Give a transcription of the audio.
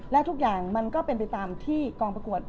และทุกอย่างมันก็เป็นไปตามที่กองประกวด